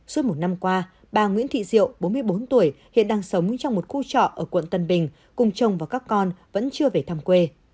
suốt một năm qua bà nguyễn thị diệu bốn mươi bốn tuổi hiện đang sống trong một khu trọ ở quận tân bình cùng chồng và các con vẫn chưa về thăm quê